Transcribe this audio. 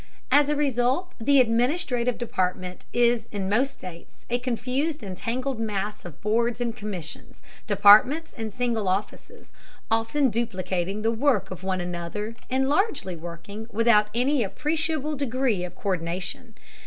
As a result, the administrative department is in most states a confused and tangled mass of boards and commissions, departments and single offices, often duplicating the work of one another, and largely working without any appreciable degree of co÷rdination.